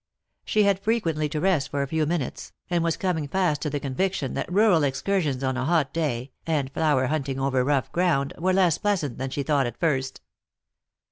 She had frequently to rest for a few minutes, and was coming fast to the conviction that rural ex cursions on a hot day, and flower hunting over rough ground, were less pleasant than she thought at first.